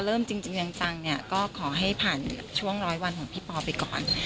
เรียนจังนะขอให้ผ่านช่วงร้อยวันของพี่ปอล์ไปก่อน